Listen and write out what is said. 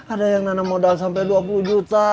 ada yang nanam modal sampai dua puluh juta